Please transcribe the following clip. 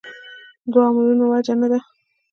دوو عاملو وجه نه ده.